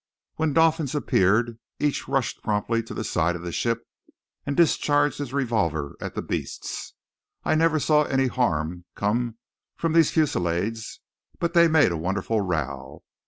When dolphins appeared each rushed promptly to the side of the ship and discharged his revolver at the beasts. I never saw any harm come from these fusillades, but they made a wonderful row.